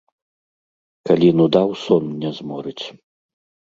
Калі нуда ў сон не зморыць.